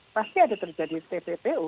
pasti ada terjadi pppu